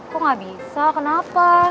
kok gak bisa kenapa